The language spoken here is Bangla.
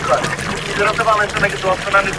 মাত্র দুই ঘণ্টা, স্যার।